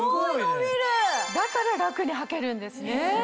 だから楽にはけるんですね。